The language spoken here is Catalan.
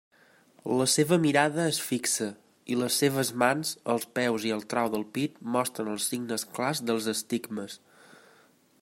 La seva mirada és fi xa, i les seves mans, els peus i el trau del pit mostren els signes clars dels estigmes.